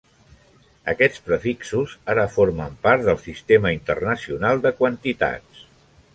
Aquests prefixos ara formen part del Sistema Internacional de Quantitats.